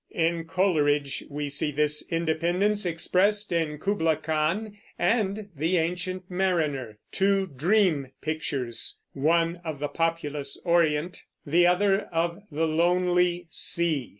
In Coleridge we see this independence expressed in "Kubla Khan" and "The Ancient Mariner," two dream pictures, one of the populous Orient, the other of the lonely sea.